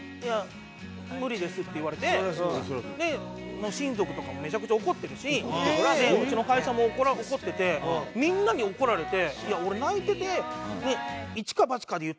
もう親族とかもめちゃくちゃ怒ってるしうちの会社も怒っててみんなに怒られていや俺泣いてて。